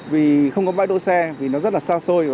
vì không có bãi đỗ xe vì nó rất là xa xôi